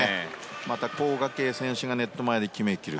また、コウ・ガケイ選手がネット前で決めきる。